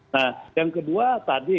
nah yang kedua tadi